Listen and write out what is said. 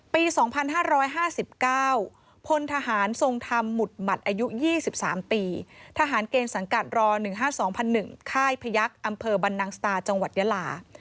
ปี๒๕๕๙พลทหารทรงธรรมหมุดหมัดอายุ๒๓ปีทหารเกณฑ์สังกัดรอ๑๕๒๐๐๑ค่ายพยักษ์อำเภอบรรนังสตาจังหวัดยาลา